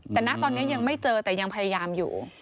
แต่ณตอนนี้ยังไม่เจอแต่ยังพยายามอยู่